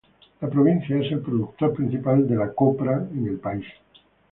La provincia es el productor principal de la copra en el país.